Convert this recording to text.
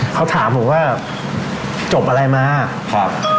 ขอถามผมว่าคุณการจบเกี่ยวกับคนนั้นพยายามได้มั้ย